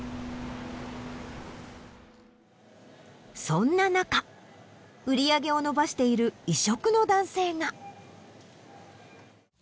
そんななか売り上げを伸ばしている異色の男性が。